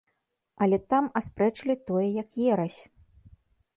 Але там аспрэчылі тое як ерась.